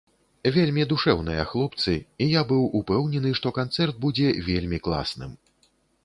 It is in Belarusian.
Вельмі душэўныя хлопцы, і я быў упэўнены, што канцэрт будзе вельмі класным.